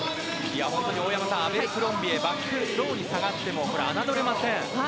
大山さん、アベルクロンビエバックローに下がっても侮れません。